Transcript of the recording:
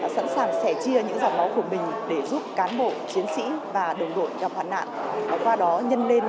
sẵn sàng sẻ chia những giọt máu của mình để giúp cán bộ chiến sĩ và đồng đội gặp hoạt nạn